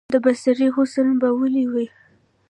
د بصرې حسن به ولي وي،